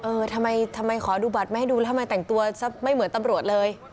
เออทำไมทำไมขอดูบัตรไม่ให้ดูแล้วทำไมแต่งตัวไม่เหมือนตำรวจเลย